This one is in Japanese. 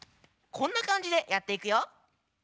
こんなかんじでやっていくよ。